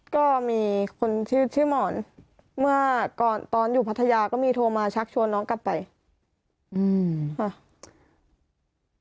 ก็มีคนชื่อชื่อหมอนเมื่อก่อนตอนอยู่พัทยาก็มีโทรมาชักชวนน้องกลับไปอืมค่ะ